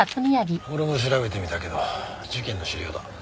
俺も調べてみたけど事件の資料だ。